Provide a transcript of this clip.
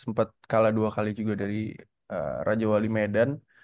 sempat kalah dua kali juga dari raja wali medan